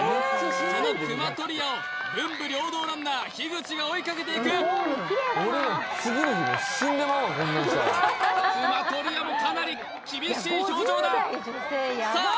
その熊取谷を文武両道ランナー樋口が追いかけていく熊取谷もかなり厳しい表情ださあ